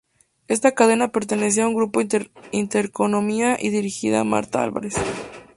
Esta cadena pertenecía a Grupo Intereconomía y la dirigía Marta Álvarez.